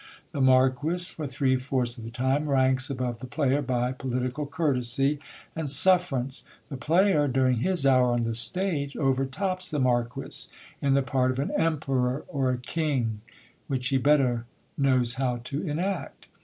The marquis, for three fourths of the time, ranks above the player by political courtesy and sufferance : the player, during his hour on the stage, overtops the marquis in the part of an em peror or a king, which he better knows how to enact.